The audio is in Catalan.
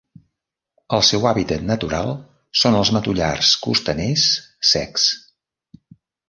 El seu hàbitat natural són els matollars costaners secs.